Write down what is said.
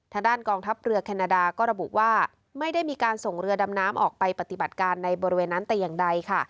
ทางด้านกองทัพเรือแคนาดาก็ระบุว่าไม่ได้มีการส่งเรือดำน้ำออกไปปฏิบัติการในบริเวณนั้นแต่อย่างใดค่ะ